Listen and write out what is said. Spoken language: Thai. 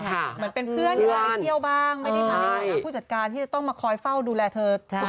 เหมือนเป็นเพื่อนอยากจะไปเที่ยวบ้างไม่ได้มาในฐานะผู้จัดการที่จะต้องมาคอยเฝ้าดูแลเธอ